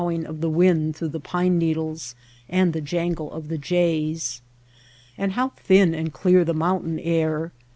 for the soughing of the wind through the pine needles and the jangle of the jays ! And how thin and clear the mountain air